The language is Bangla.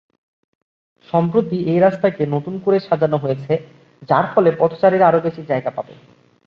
সম্প্রতি এই রাস্তাকে নতুন করে সাজানো হয়েছে, যার ফলে পথচারীরা আরও বেশি জায়গা পাবে।